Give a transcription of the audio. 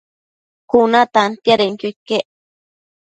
Cuna tantiadenquio iquec